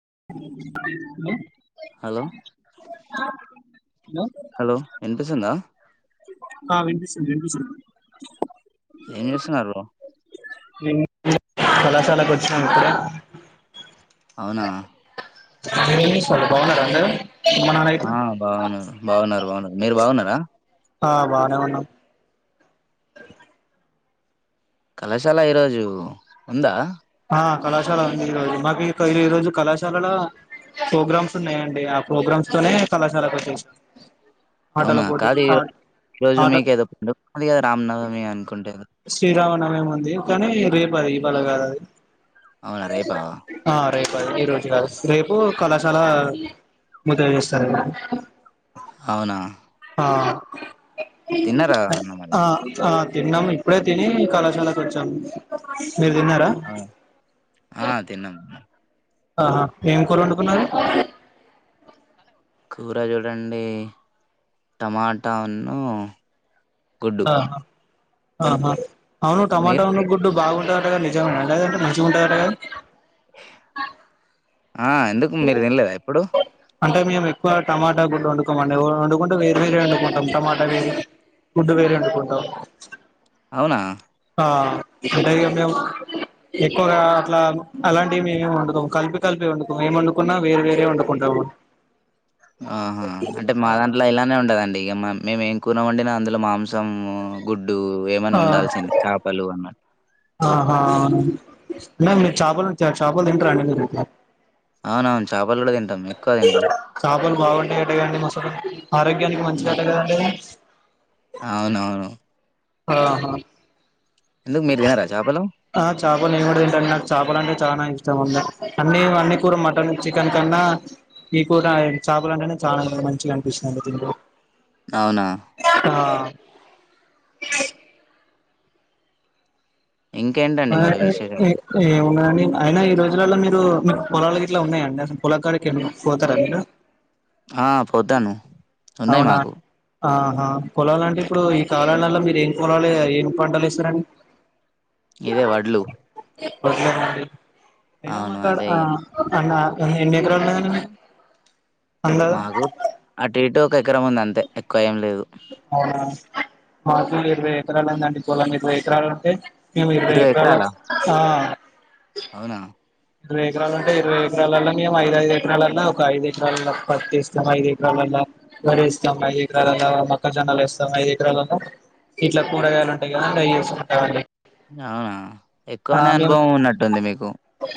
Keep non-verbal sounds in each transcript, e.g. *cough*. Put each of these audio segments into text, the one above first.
*unintelligible* Hello hello hello ఇన్పిసుందా ఆ విన్పిసుంది విన్పిసుంది ఏం చేస్తున్నారు మేము కళాశాలకొచ్చినం ఇప్పుడే అవునా ఏం చేస్తున్నారు బాగున్నారా అందరు ఆ బాగున్నారు బాగున్నారు బాగున్నారు మీరు బాగున్నరా? ఆ బానే ఉన్నం కళాశాల ఈరోజు ఉందా? ఆ కళాశాల ఉంది ఈ రోజు మాకు ఈ రోజు కళాశాలలో ప్రోగ్రామ్స్ ఉన్నాయండి ఆ ప్రోగ్రామ్స్ తోనే కళాశాలకొచ్చే అవునా కాదు ఈ ఈ రోజు ఆట మీకేదో పండుగన్నది కదా రామ్నవమి అనుకుంటేదో ఏము ఉంది కానీ రేపు అది ఇవ్వాళ కాదు అది అవునా రేపా ఆ రేపు ఈ రోజుగాదు రేపు కళాశాల ముత చేస్తారని అవునా ఆ తిన్నారా అన్న మరి ఆ ఆ తిన్నాము ఇప్పుడే తినీ కళాశాలకొచ్చాము అవు ఆ తిన్నాము ఆహా ఏం కూరొండుకున్నారు కూర చూడండి టమాట ఉన్ను గుడ్డు అహా అవును టమాటా మీరు ఉన్ను గుడ్డు బాగు దంట కదా నిజం అది అంత మంచిగుంటది అంట గదా ఆ ఎందుకు మీరు వినలేధ ఎప్పుడు అంటే మేము ఎక్కువ టమాటా గుడ్డు వండుకోమండి వండుకుంటే వేరే వేరే వండుకుంటాం టమాటా వేరే గుడ్డు వేరే వండుకుంటాం అవునా ఆ అంటే ఇక మేము ఎక్కువగా అట్లా అలాంటివి మేమేమి వండుకోము కలిపి కలిపి వండుకొం ఏం వండుకున్నా వేరే వేరే వండుకుంటాము ఆహా అంటే మా ఆ దాంట్లో ఇలానే ఉండదండి ఇమా మేమేం కున వండిన అందులో మాంసము గుడ్ డు ఏమన్నా ఆ ఉండాల్సిందే చాపలు అన్న ఆహా మేమ్ మీరు చాపలు చాపలు తింటారండి మీరు అవునవును చాప్ చాపలు బాగుంటాయిటగాండి మస్తు ఆరోగ్యానికి అ మంచిదంట కదండి అవునవును ఆహా ఎందుకు మీరు తినరా చాపలు ఆ చేపలు మేము కూడా తింటం నాకు చేపలు అంటే చాన ఇష్టం ఉంది అన్ని అన్ని కూడా మటన్ చికెన్ కన్నా మీ కూడా చేపల అంటేనే చాలా మంచిగా అనిపిస్తదండి తింటే అవునా ఐ ఇంకేంటండి ఆ మరి ఆ ఏ విశేషాలు? ఏ ఎమ్ ఉన్నయ్ అండి అయినా ఈ రోజులలో మీరు మీ పొలాల ఇట్లా ఉన్నాయండి అసలు పొలకాడికి పోతారా మీరు ఆ పొతాను ఉన్నాయ్ అవునా మాకు ఆహా పోలాలు అంటే ఇప్పుడు ఈ కాలాల నల మీరు ఏం కులాలు ఏం పంటలు ఏస్తురండి ఇదే వడ్లు వడ్లు *unintelligible* అయిన మా అవును. కాడ అదే ఇగ. ఆహ్ అన్నా అన్న ఎన్ని ఎకరాలు ఉన్నయ్ అన్న నీకు మాకు అటుఇటు ఎకరం ఉంది అంతే ఎక్కువ ఏం లేదు లేదు అవునా మాకు ఇరవై ఎకరాలుందండి పొలం ఇరవై ఎకరాలు ఉంటే మేము ఇరవై ఎకరాలు ఎకరాలా? ఆ అవునా! ఇరవై ఎకరాలు ఉంటే ఇరవై ఎకరాలల్లో మేము ఐదుఐదు ఎకరాలల్లో ఒక ఐదు ఎకరాలల్లో పత్తి వేస్తాం, ఐదు ఎకరాలల్లో వరి వేస్తాం, ఐదు ఎకరాలల్లో మక్క జొన్నలు వేస్తాం, ఐదు ఎకరాలల్లో ఇట్లా కూరగాయలు ఉంటాయి కదా అవి చూసుకుంటామండి అవునా ఎక్కువనే మేము అనుభవం ఉన్నట్టుంది మీకు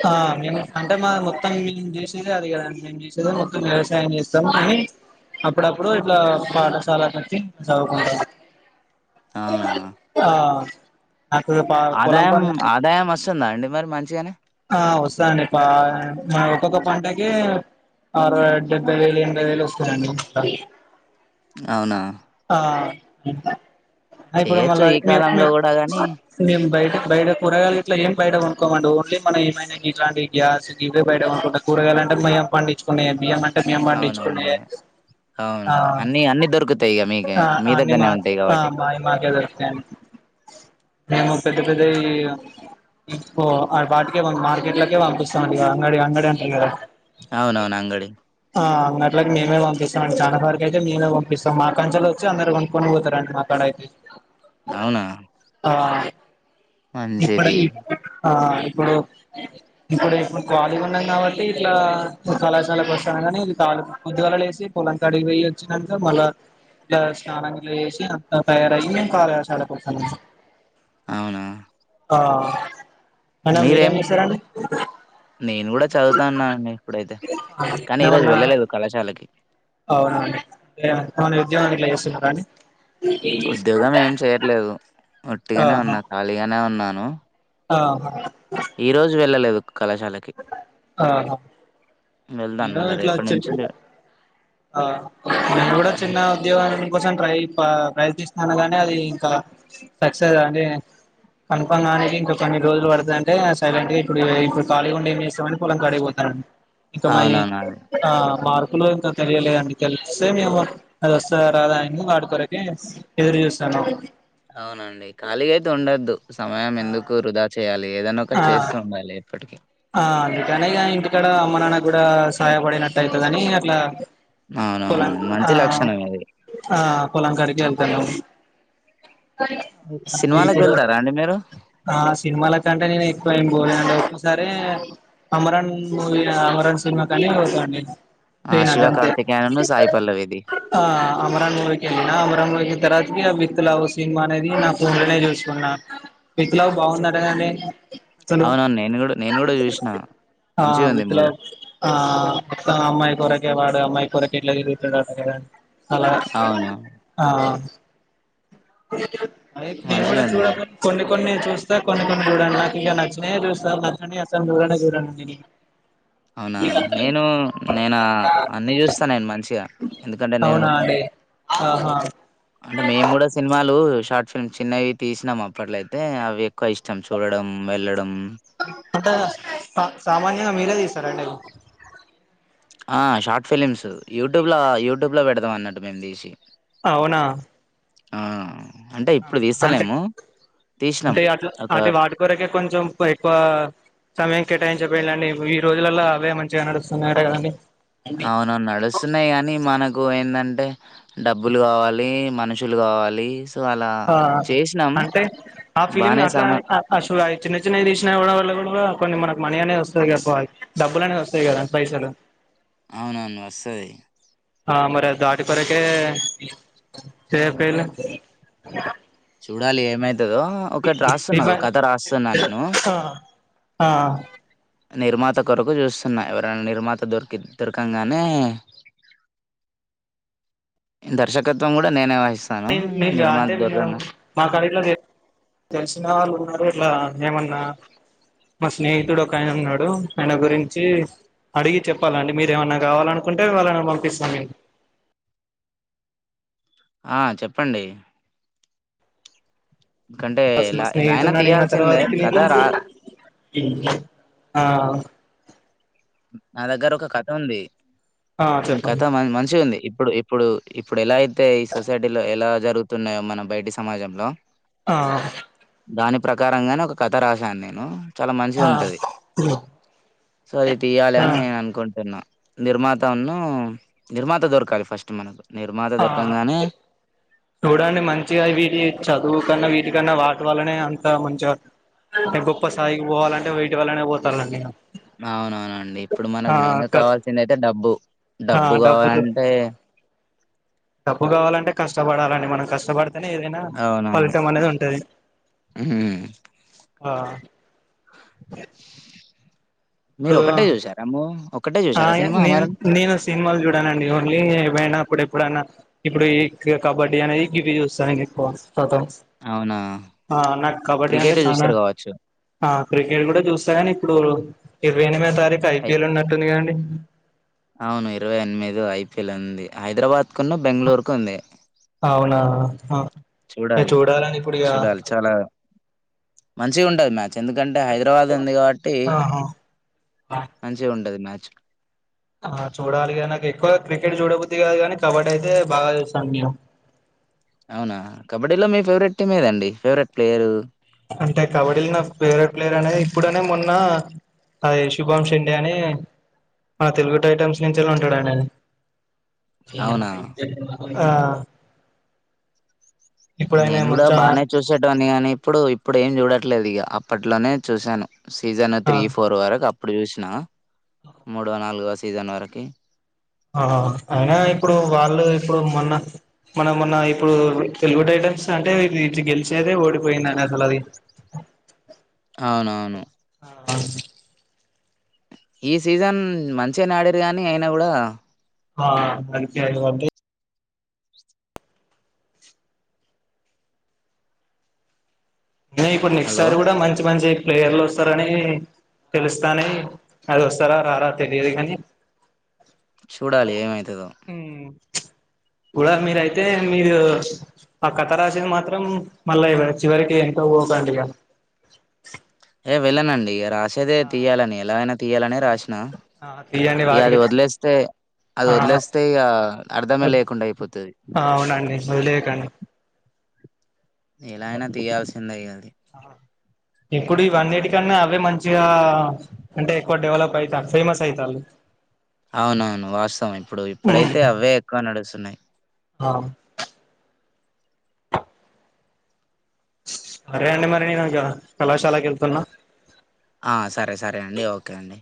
ఆ మేము అంటే మా మొత్తం మేము చేసేది అది కదండి. మేము చేసేది మొత్తం వ్యవసాయం చేస్తము. కాని అప్పుడప్పుడు ఇట్లా పాఠశాల కొచ్చి చదువుకుంటం. అవునా! ఆ నాకు పా పొలం ఆదాయం పనులు ఆదాయం వస్తుందా అండి మరి మంచిగనే ఆ వస్తదండి పా ఒక్కొక్క పంటకి అరవై డెబ్బై వేలు ఎనభై వేలు వస్తదండి అవునా ఆ అ ఇప్పుడు చేయొచ్చు మల్లా ఈ మేం కాలంలో కూడా గాని మేం బైట బయట కూరగాయలు ఇట్లా ఏం బయట కొనుకోమండి ఓన్లీ మనం ఏమైన ఇలాంటి గ్యాస్ గివే బయట కొనుకుంటా కూగాయలంటే మేం పండించుకున్నయే అండి బియ్యం అంటే మేము అవునవును పండించుకునే ఇగ అవును అన్ని అన్ని దొరకుతయి ఇగ మీకే అ మీ అన్ని దగ్గరనే ఉంటాయి మా కాబట్టి మాయి మాకే దొరుకుతయి అండి మేము పెద్ద పెద్దవి వాటికే మార్కెట్ లోకే పంపిస్తామండి ఇక అంగడి అంగడి అంటరు కదా అవునవును అంగడి ఉన్నట్లగా మేమే పంపిస్తాం చాలాసరుకు అయితే మేమే పంపిస్తం మా కంచెలు వచ్చి అందరు కొనుక్కొని పోతారండి మాకాడైతే అవునా ఆ ఇప్పుడు మంచిది ఇప్ ఆ ఇప్పుడు ఇప్పుడు ఇప్పుడు కాలిగా ఉన్నాం కాబట్టి ఇట్లా కళాశాలకు వస్తాను. కానీ కాలీ పొద్దుగాల లేసి పొలం కాడికి పొయివచ్చినాంక మళ్ళా ఇట్ల స్నానం గిట్ల చేసి అంత తయారయ్యి కళాశాలకు వస్తాము. అవునా ఆ ఐనా మీరేం చేస్తారండి చదువుతా ఉన్నానండి ఇప్పుడైతే కానీ ఈరోజు ఏమన్నా వెళ్ళలేదు కళాశాలకి అవునా అండి ఉద్యోగం ఇట్లా చేస్తున్నార అండి ఉద్యోగం ఏం చేయట్లేదు ఒట్టిగానే ఆహా ఉన్నా ఖాళీగానే ఉన్నాను ఆహా ఈ రోజు వే లలేదు కళాశాలకి ఆహా వెళ్తాను నేను మళ్ళా ఇట్లా రేపటి వచ్చి నుంచి లే ఆ నేను కూడా చిన్న ఉద్యోగా కోసం టై ప్రైత్స్త అనగానే అది ఇంకా సక్సెస్ అంటే కన్ఫామ్ కానికి ఇంకా కొన్ని రోజులు పడుతు అంటే సైలెంట్ గా ఇప్పుడు ఇడు కాళీ ఉండి ఏం చేస్తామని పొలం క అగిపోతారండి ఇంకా మ అవునవును అది ఆ మార్పులు ఇంకా తెలియలేదని తెలిస్తే మేము అది వస్తదా రాదా అని వాడి కొరకి ఎదురు చూస్తాను అవునండి ఖాళీగా అయితే ఉండొద్దు సమయం ఆ ఎందుకు వృధా చేయాలి ఏదన్నా ఒకటి ఆ చేస్తూ ఉండాలి ఎప్పటికీ ఆ అందుకని ఇ ఇంటికాడ అమ్మ నాన్న కూడా సహాయపడినట్టు అవుతుందిని అట్లా అవునవును. పొలాం ఆ మంచి లక్షణమే అది. ఆ పొలంకడికి వెళ్తనం అ సినిమాలకు ఇప్పుడు వెళ్తారా అండి మీరు? ఆ సినిమాల కంటే నేను ఎక్కువ ఏం బో *unintelligible* సరే అమరాన్ మూవీ అమరాన్ సినిమా కానీ నేను ఆ! త్రీ 'శివ హండ్రెడ్కే కార్తికేయన్‌ను', 'సాయి పల్లవిది'. ఆ అమరన్ మూవీకి వెళ్లిన అమరన్ మూవీక్ తర్వాతకి విత్తలావు సినిమా అనేది నా ఫోన్లోనే చూసుకున్నాను విత్ లవ్ బాగుందటగా అండి అసలు అవునవును. నేను గూడా నేను గూడా జూశినా. ఆ మంచిగుంది వృత్తిలో మూవీ. ఆ అమ్మాయి కొరకే వాడే అమ్మాయి కూరకట్లాదిది కద అలా అవును. ఆ *inaudible* అదే నేను కూడా మంచిగుంది అది. చెడ్క్ కొన్ని కొన్ని చూస్తా కొన్ని కొన్ని చూడను నాకి ఇక నచ్చినాయి చూస్తా నచ్ అన్నీ అసలు జూడానే జూడానండి అవునా నేను నేనా అన్ని చూస్తాను నేను మంచిగా ఎందుకంటే నేను అవునా అండి ఆహా అంటే మేము కూడా సినిమాలు షార్ట్ ఫి మేము చిన్నవి తీసినాం అప్పట్లయితే అవి ఎక్కువ ఇష్టం చూడడం వెళ్ళడం అంతా పాత్ సామాన్యగా మీరే తీస్తారండి అవి ఆ షార్ట్ ఫిలిమ్స్ యూట్యూబ్ లో యూట్యూబ్ లో పెడదాం అన్నట్టు మేము తీసి అవునా ఆ అంటే ఇప్పుడు అంటే దీస్తలేము. తీశినాం. అంటే అట్లా ఒక అటు వాటి కొరకే కొంచెం ఎక్కువ సమయం కేటాయించపోయిలాడి ఈ రోజులల్లో అవే మంచిగా నడుస్తున్నాయట కదండి అవును నడుస్తున్నయ్ ఆని మనకు కువ ఏందంటే డబ్బులు గావాలీ, మనుషులు గావాలీ. ఆ అంటే ఆ ఫిలిమ్లా బానే సమ అట్లాయి అ *unintelligible* చిన్న చిన్నయి తీశ్నా గూడా వల్ల *unintelligible* కొన్ని మన మనయ్ అనేది వస్తది *unintelligible* డబ్బులు అనేది వస్తాయి కదా పైసలు అవునవును వస్తది ఆ మరి దాటి కొరకే చెయ్యక్ పోయిల్లు చూడాలి ఏమై తదో ఒకటి రాస్తున్నా ఇబ ఒక కథ రాస్తున్నా నేను ఆ ఆ నిర్మాత కొరకు చూస్తున్నా, ఎవరైనా నిర్మాత దొరికి దొరకంగానే. దర్శకత్వం గూడా నేనే వాయ్ పెన్ మీగా *unintelligible* అంటే *unintelligible* మాకాడ ఇట్లా తెలిసిన వాళ్ళు ఉన్నారు ఎట్లా ఏమన్నా. మా స్నేహితుడు ఒక ఆయన ఉన్నాడు. ఆయన గురించి అడిగి చెప్పాలండి, మీరేమన్నా కావాలనుకుంటే వాళ్ళను పంపిస్తా మేం. ఆ చెప్పండి కంటే మేము మా ఎలా ఎలా అయినా స్నేహితుడిని అడిగిన తీయాల్సిందే తర్వాతకి కథ రా ఆ నా దగ్గర ఒక కథ ఉంది ఆ ఉ చెప్పండి కథ మ మంచిగుంది ఇప్పుడు ఇప్పుడు ఇప్పుడు ఎలా తే ఈ సొసైటీలో ఎలా జరుగుతున్నయో మన బైటి సమాజంలో ఆహ్ దాని ప్రకారంగనే ఒక కథ రాశాను నేను చాలా మంచిగ ఆ ఉంటది సో ఇ యాలే ఆ అన్ నేననుకున్. డెన్న నిర్మాత ఉన్నూ నిర్మాత దొరకాలి ఫస్ట్ మనకు. నిర్మాత ఆ దొర్కంగానే చూడండి మంచిగ వీటి చదువు కన్నా, వీటి కన్నా, వాటి వల్లనే అంత మంచిగ. గొప్ప సాయికి బోవాలని విటి వళ్ళనే పోతల్లన్ నేను. అవునవునండి ఇప్పుడు మనకు మెయిన్ గా కావాల్సిందైతే డబ్బు, ఆ డబ్బు డబ్బుతో గావాలంటే. డబ్బు గావాలంటే కష్టబడాలండి మనం కష్టబడి. తనే ఏదైనా అవునవును. పలితం అనేది ఉంటది హ్మ్. *inaudible* మీరు ఒక్కటే చూసారా అమ్మూ ఒ ఆయె నేన్ నేను సినిమాల్ జూడనండి, ఓన్లీ ఏవైనా అప్పుడెప్పుడన్న. ఇప్పుడు ఈ క కబడ్డీ అనేది గిది జూస్తా నేను ఏక్కువ అవునా! హా నాకు కబడ్డీ అంటే క్రికెటే చానా చూస్తారు కావచ్చు. హా క్రికెట్ గూడా చూస్తా గాని ఇప్పుడు ఇరవై ఎనిమిదో తా నెక్స్ట్ అయ్ ఐపిల్ ఉన్నట్ అవును ఇరవై ఎన్మిదో ఐప్ పి ల్ ది హైదరాబాద్ కున్ను బెంగుళూర్కు ఉంది. అవునా ఆ ఇగ చూడాలి చూడాలని ఇప్పుడు ఇగ చూడాలి చాలా మంచిగా ఉంటది మ్యాచ్ ఎందుకంటే హైదరాబాద్ ఉంది కాబట్టి ఆహా మంచిగా ఉంటది మ్యా చక్ ఆ చూడాలిగా నాకు ఎక్కువ క్రికెట్ చూడబద్ది గాదు గానీ కబడ్డీ ఐతే బాగా చూస్తాను నేను. అవునా కబడ్డీలో మీ ఫేవరెట్ టీమ్ ఏదండి? Favourite player. అంటే కబడ్డీ లో నాకు ఫేవరెట్ ప్లేయర్ అనేది ఇప్పుడనే మొన్న ఐ శుభమ్ షిండే అని మన తెలుగు టైటమ్స్ నుంచి ఉంటాడైననే. అవునా *unintelligible* ఆ ఇప్పుడు ఆయన నేను కూడా మొచ్చ బానే చూసేటోన్నీ గానీ ఇప్పుడు. ఇప్పుడేం చూడట్లేదు ఇగా అప్పట్లోనే చూశాను. సీజన్ త్రీ ఆ ఫోర్ వరకు అప్ అప్పుడు చూసినా మూడో నాలుగో సీజన్ వరకి ఆ అయినా ఇప్పుడు వాళ్ళు ఇప్పుడు మన మనం మొన్న ఇప్పుడు తెలుగు టైటమ్స్ అంటే ఇది చి గెలిచేదా ఓడిపోయిందనా అసలు అది. అవునవును ఆ ఈ సీజన్ మంచిగానే ఆడిర్రు గాని అయినా గూడా ఆ అందుకే *unintelligible* దే ఇప్పుడు నెక్స్ట్ హలో సారి గూడా మంచి మంచి ప్లేయర్లు వస్తారని తెలుస్తానే అది వస్తారా రారా తెలీదు గానీ చూడాలి ఏమయితదో కూడా మీరయితే మీరు ఆ కథ రాసేది మాత్రం మళ్ళా ఇవ్ చివరికి ఇగ పోతాంటి ఇగ ఏ వెళ్ళనండి ఇగ రాస్ సేదే తీయాలని ఎలా ఐనా తీయాలనే రాసిన. ఆ! తీయండి ఇగ అది వాటికి వదిలేస్తే అది ఆ వదిలేస్తే ఇగ అర్ధమే లేకుండా అయిపోతది. అవునండి వదిలేయకండి ఎలా అయినా తీయాల్సిందే ఇగ అది. ఇప్పుడు ఇవన్నీటి కన్నా అవే మంచిగా అంటే ఎక్కువ డెవలప్ అయితా ఫేమస్ అయితాయి. అవునవును వాస్తవం ఇప్పుడు ఇప్పుడైతే అవే ఎక్కువ నడుస్తున్నాయి. ఆ సరే అండి మరి నేను ఇగ కళాశాలకు వెళ్తున్నా. ఆ సరే సరే అండి ఓకే అండి.